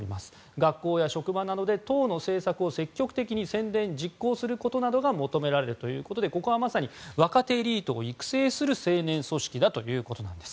学校や職場などで党の政策を積極的に宣伝・実行することなどが求められるということでここはまさに若手エリートを育成する青年組織だということなんです。